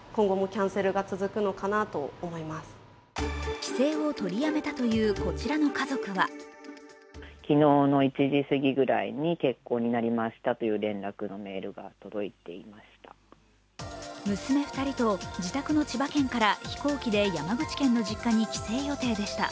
帰省を取りやめたというこちらの家族は娘２人と自宅の千葉県から飛行機で山口県の実家に帰省予定でした。